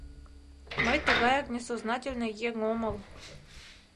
Мый тугаяк несознательный еҥ омыл.